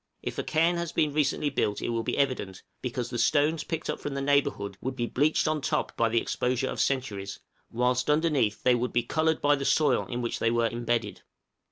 If a cairn has been recently built it will be evident, because the stones picked up from the neighborhood would be bleached on top by the exposure of centuries, whilst underneath they would be colored by the soil in which they were imbedded.